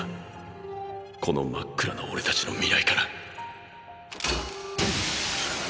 この真っ暗な俺たちの未来から。